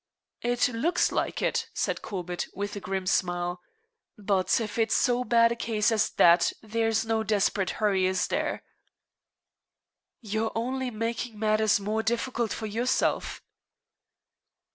"It looks like it," said Corbett, with a grim smile. "But if it's so bad a case as all that, there's no desperate hurry, is there?" "You're only making matters more difficult for yourself."